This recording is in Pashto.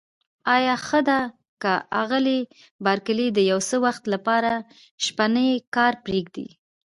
آیا ښه ده که آغلې بارکلي د یو څه وخت لپاره شپنی کار پرېږدي؟